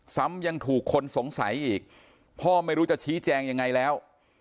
ซ้ำยังถูกคนสงสัยอีกพ่อไม่รู้จะชี้แจงยังไงแล้ว